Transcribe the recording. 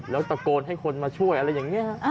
แล้วตะโกนให้คนมาช่วยอะไรอย่างนี้